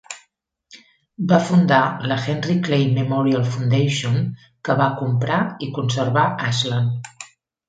Va fundar la Henry Clay Memorial Foundation, que va comprar i conservar Ashland.